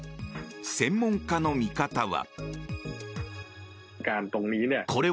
専門家の見方は。